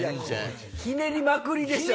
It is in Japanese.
ひねりまくりでしょ！